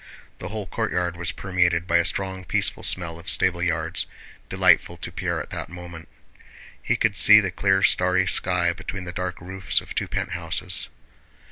The whole courtyard was permeated by a strong peaceful smell of stable yards, delightful to Pierre at that moment. He could see the clear starry sky between the dark roofs of two penthouses.